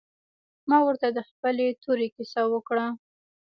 ما ورته د خپلې تورې کيسه وکړه.